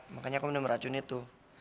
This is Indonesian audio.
makanya aku minum racun itu